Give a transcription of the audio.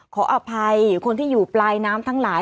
ขออภัยคนที่อยู่ปลายน้ำทั้งหลาย